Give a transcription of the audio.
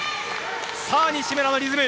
さあ、西村のリズム。